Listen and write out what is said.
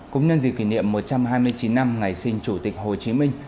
cũng nhân dịp kỷ niệm một trăm hai mươi chín năm ngày sinh chủ tịch hồ chí minh